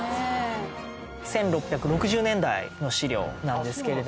１６６０年代の史料なんですけれども。